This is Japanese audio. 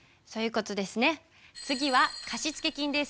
次は貸付金です。